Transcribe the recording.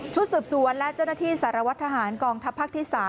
ชุดสดสวนและเจ้าหน้าที่สรรวจทหารกองทัพภักดิ์๓